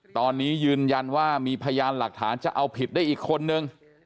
ตอนนี้ยืนยันว่ามีพยานหลักฐานจะเอาผิดได้อีกคนนึง